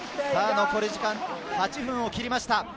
残り時間８分を切りました。